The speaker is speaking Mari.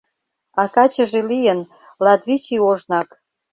А качыже лийын... латвич ий ожнак.